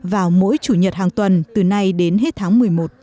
vào mỗi chủ nhật hàng tuần từ nay đến hết tháng một mươi một